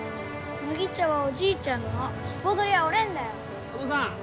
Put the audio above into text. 麦茶はおじいちゃんのスポドリは俺んだよお義父さん